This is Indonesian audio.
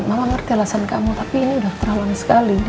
mama ngerti alasan kamu tapi ini udah terlaluan sekali rena